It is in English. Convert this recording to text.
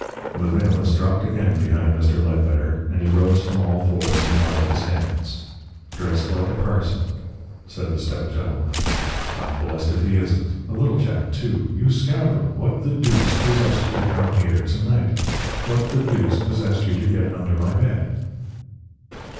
The valance dropped again behind Mr. Ledbetter, and he rose from all fours and held up his hands. "Dressed like a parson," said the stout gentleman. "I'm blest if he isn't! A little chap, too! You SCOUNDREL! What the deuce possessed you to come here to night? What the deuce possessed you to get under my bed?"